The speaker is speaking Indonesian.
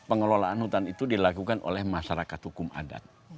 pengelolaan hutan itu dilakukan oleh masyarakat hukum adat